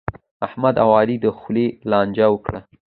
احمد او علي د خولې لانجه وکړه.